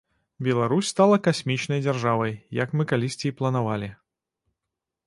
Беларусь стала касмічнай дзяржавай, як мы калісьці і планавалі.